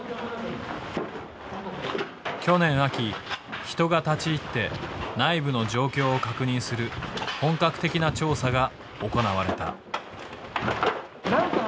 去年秋人が立ち入って内部の状況を確認する本格的な調査が行われた。